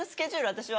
私は。